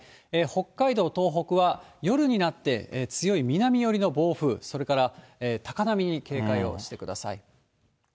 北海道、東北は、夜になって強い南寄りの暴風、それから高波に警戒をしてください。